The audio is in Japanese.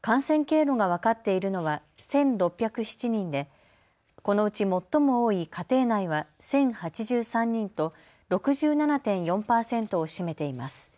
感染経路が分かっているのは１６０７人でこのうち最も多い家庭内は１０８３人と６７．４％を占めています。